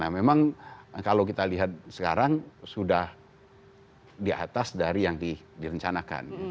nah memang kalau kita lihat sekarang sudah di atas dari yang direncanakan